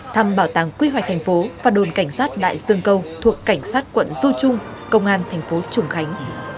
thăm bảo tàng quy hoạch thành phố và đồn cảnh sát đại dương câu thuộc cảnh sát quận dô trung công an tp trung khánh